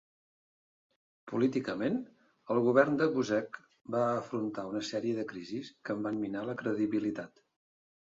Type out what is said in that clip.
Políticament, el govern de Buzek va afrontar una sèrie de crisis que en van minar la credibilitat.